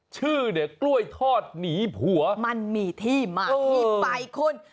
ชื่อเนี่ยกล้วยทอดหนีผัวมันมีที่มาที่ไปคุณ